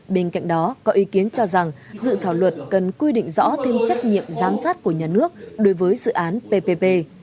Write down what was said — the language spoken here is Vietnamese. bên cạnh đó có ý kiến cho rằng dự thảo luật cần quy định rõ thêm trách nhiệm giám sát của nhà nước đối với dự án ppp